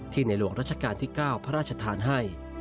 ในหลวงรัชกาลที่๙พระราชทานให้